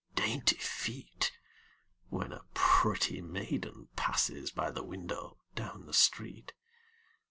"Dainty feet!" When a pretty maiden passes By the window down the street.